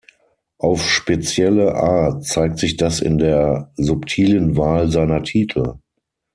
Auf spezielle Art zeigt sich das in der subtilen Wahl seiner Titel.